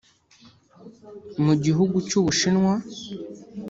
Mu gihugu cy’ubushinwa